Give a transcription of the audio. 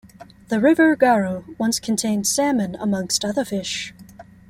The River Garw once contained Salmon amongst other fish.